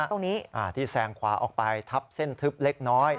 ตรงนี้ที่แซงขวาออกไปทับเส้นทึบเล็กน้อย